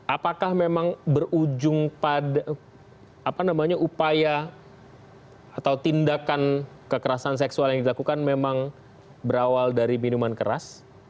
apakah memang berujung pada upaya atau tindakan kekerasan seksual yang dilakukan memang berawal dari minuman keras